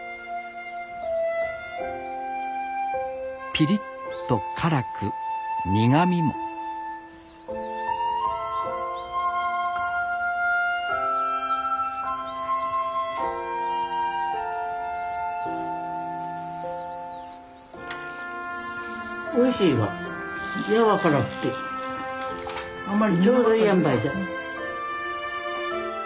ぴりっと辛く苦みもおいしいわやわからくてちょうどいいあんばいで。